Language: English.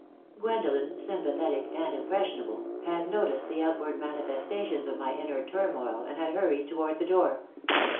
Gwendolen, sympathetic and impressionable, had noticed the outward manifestations of my inward turmoil and had hurried toward the door.